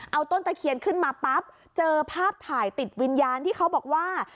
เอาต้นตะเคียนขึ้นมาปั๊บเจอภาพถ่ายติดวิญญาณที่เขาบอกว่า